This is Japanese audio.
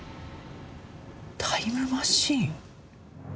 タイムマシン？